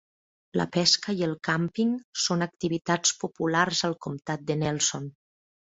La pesca i el càmping són activitats populars al comtat de Nelson.